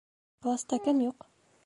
Класта кем юҡ?